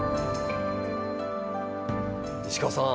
西川さん